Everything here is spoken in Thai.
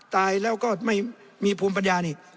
ตายแล้วก็ไม่มีภูมิปัญญานี่